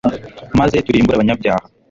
maze turimbure abanyabyaha